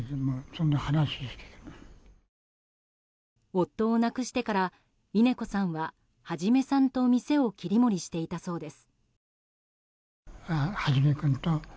夫を亡くしてから、稲子さんは初さんと店を切り盛りしていたそうです。